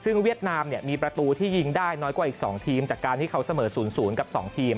ซึ่งเวียดนามมีประตูที่ยิงได้น้อยกว่าอีก๒ทีมจากการที่เขาเสมอ๐๐กับ๒ทีม